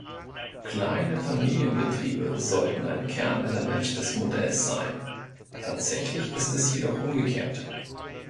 Kleine Familienbetriebe sollten ein Kernelement des Modells sein, tatsächlich ist es jedoch umgekehrt.